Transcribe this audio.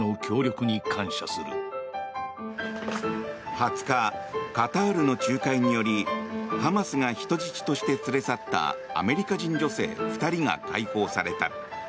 ２０日、カタールの仲介によりハマスが人質として連れ去ったアメリカ人女性２人が解放された。